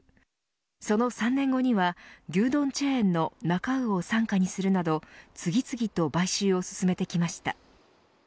その３年後には牛丼チェーンのなか卯を傘下にするなど次々と買収を進めてきました。